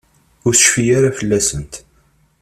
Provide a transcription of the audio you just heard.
Ur tecfi ara fell-asent.